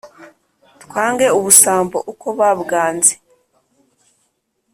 Twange ubusambo uko babwanze